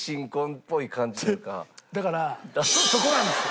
だからそこなんですよ。